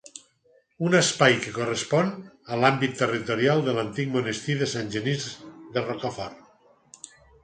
Un espai que correspon a l'àmbit territorial de l'antic monestir de Sant Genís de Rocafort.